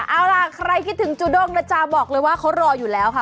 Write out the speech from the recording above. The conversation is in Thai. เอาล่ะใครคิดถึงจูด้งนะจ๊ะบอกเลยว่าเขารออยู่แล้วค่ะ